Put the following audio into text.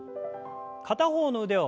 片方の腕を前に。